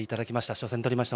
初戦とりました。